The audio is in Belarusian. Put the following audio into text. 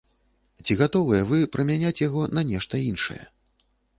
Ці гатовыя вы прамяняць яго на нешта іншае?